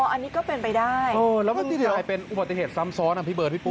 อันนี้ก็เป็นไปได้แล้วมันกลายเป็นอุบัติเหตุซ้ำซ้อนอ่ะพี่เบิร์พี่ปุ